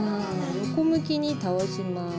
横向きに倒します。